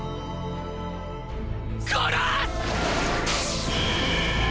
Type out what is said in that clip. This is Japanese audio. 殺す！！